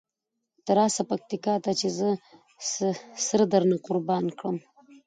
ته راسه پکتیکا ته چې زه سره درنه قربانه کړم.